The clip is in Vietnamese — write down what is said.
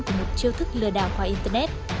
của một chiêu thức lừa đào qua internet